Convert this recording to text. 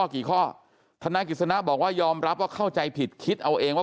กี่ข้อธนายกิจสนะบอกว่ายอมรับว่าเข้าใจผิดคิดเอาเองว่า